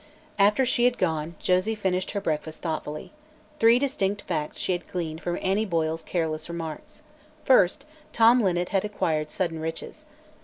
After she had gone, Josie finished her breakfast thoughtfully. Three distinct facts she had gleaned from Annie Boyle's careless remarks. First, Tom Linnet had acquired sudden riches.